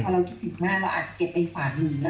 ถ้าเราคิดถึงมันเราอาจจะเก็บไปฝันหรือ